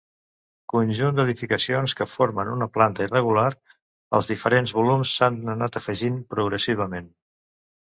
Conjunt d'edificacions que formen una planta irregular, els diferents volums s'han anat afegint progressivament.